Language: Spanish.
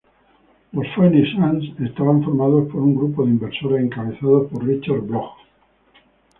Los Phoenix Suns estaban formados por un grupo de inversores encabezado por Richard Bloch.